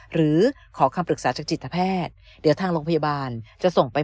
หรือขอคำปรึกษาจากจิตแพทย์เดี๋ยวทางโรงพยาบาลจะส่งไป